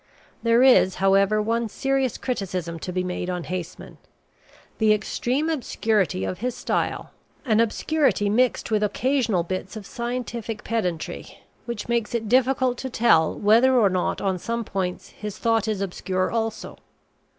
There is, however, one serious criticism to be made on Haseman: the extreme obscurity of his style an obscurity mixed with occasional bits of scientific pedantry, which makes it difficult to tell whether or not on some points his thought is obscure also.